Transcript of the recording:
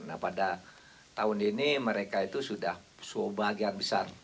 nah pada tahun ini mereka itu sudah bagian besar